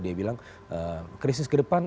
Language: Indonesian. dia bilang krisis ke depan